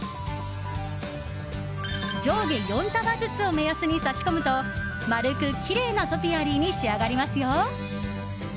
上下４束ずつを目安に挿し込むと丸くきれいなトピアリーに仕上がりますよ。